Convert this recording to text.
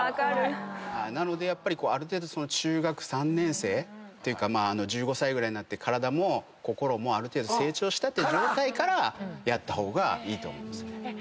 なのでやっぱりある程度中学３年生っていうか１５歳ぐらいになって体も心もある程度成長したって状態からやった方がいいと思うんですよね。